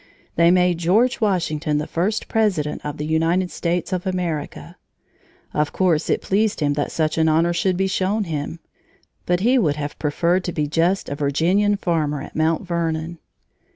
They made George Washington the first President of the United States of America. Of course it pleased him that such honor should be shown him, but he would have preferred to be just a Virginian farmer at Mount Vernon.